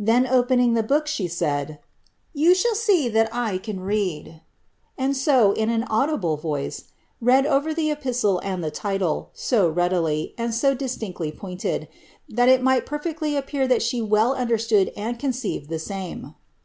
Then, opening the book, she said, Ton shall see that I can read," and so, with an audible voice, read over the epistle and the title, so readily, and so distincdy pointed, that it might perfecdy appear that she well understood and conceived the same.